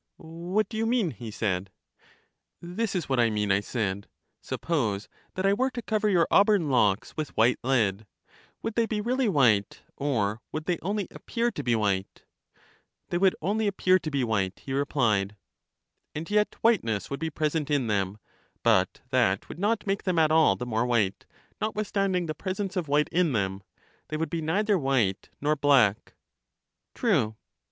What do you mean? he said. This is what I mean, I said : Suppose that I were to cover your auburn locks with white lead, would they be really white, or would they only appear to be white ? They would only a])pear to be white, he replied. LYSIS 71 And yet whiteness would be present in them. Ait that would not make them at all the more white, not withstanding the presence of white in them — they would be neither white nor black. True.